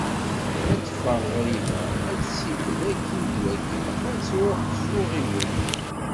Ad d-teffeɣ ɣriba, ad tessiked akin d wakka, ad truḥ s uɣiwel.